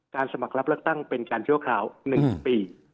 สมัครรับเลือกตั้งเป็นการชั่วคราว๑ปี